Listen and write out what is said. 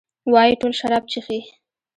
وايي ټول شراب چښي.